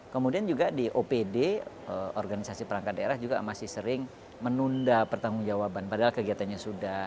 kemudian juga di opd organisasi perangkat daerah juga masih sering menunda pertanggung jawaban padahal kegiatannya sudah